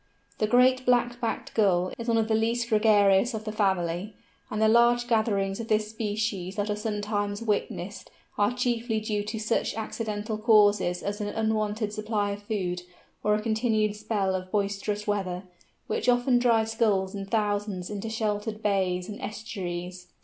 The Great Black backed Gull is one of the least gregarious of the family, and the large gatherings of this species that are sometimes witnessed are chiefly due to such accidental causes as an unwonted supply of food, or a continued spell of boisterous weather, which often drives Gulls in thousands into sheltered bays and estuaries.